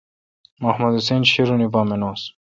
محمد حسین شیرونی پا مانوس۔